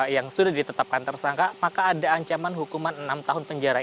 yang sudah ditetapkan tersangka maka ada ancaman hukuman enam tahun penjara